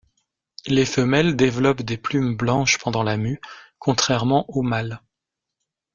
Les femelles développent des plumes blanches pendant la mue, contrairement aux mâles.